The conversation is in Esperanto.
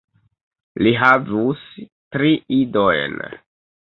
Li havus tri idojn.